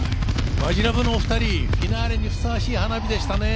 マヂラブの２人、フィナーレにふさわしい花火でしたね。